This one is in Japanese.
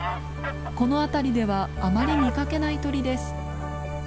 この辺りではあまり見かけない鳥です。